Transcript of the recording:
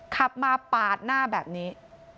ขับมาปาดหน้าแบบนี้